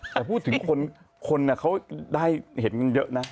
แต่พูดถึงคนเขาได้เห็นกันเยอะนะ